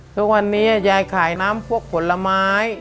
ทุกวันนี้ยายขายน้ำพวกผลไม้